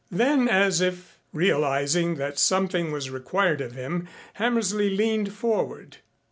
Then, as if realizing that something was required of him Hammersley leaned forward.